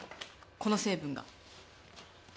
この成分が。